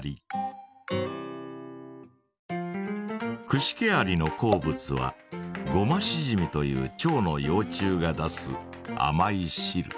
クシケアリの好物はゴマシジミというチョウの幼虫が出すあまいしる。